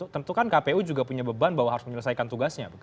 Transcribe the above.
tentu kan kpu juga punya beban bahwa harus menyelesaikan tugasnya